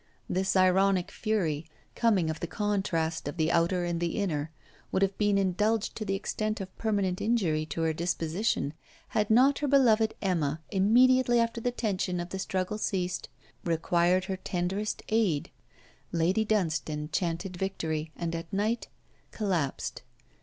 This ironic fury, coming of the contrast of the outer and the inner, would have been indulged to the extent of permanent injury to her disposition had not her beloved Emma, immediately after the tension of the struggle ceased, required her tenderest aid. Lady Dunstane chanted victory, and at night collapsed.